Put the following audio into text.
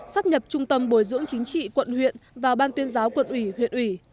sắp nhập trung tâm bồi dưỡng chính trị quận huyện và ban tuyên giáo quận ủy huyện ủy